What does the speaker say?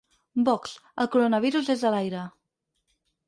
Vox: El coronavirus és a l’aire.